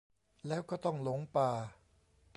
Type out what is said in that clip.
แล้วก็ต้องหลงป่า